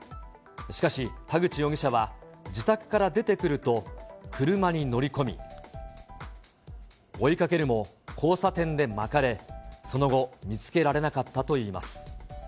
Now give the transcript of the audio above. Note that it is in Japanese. しかし、田口容疑者は自宅から出てくると、車に乗り込み、追いかけるも、交差点でまかれ、その後、見つけられなかったといいます。